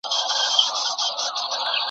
بوزه چي هم پرېوځي ځای په پښو پاکوي .